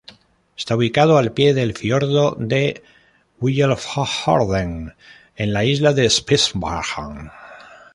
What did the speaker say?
Esta ubicado al pie del fiordo de Billefjorden, en la isla de Spitsbergen.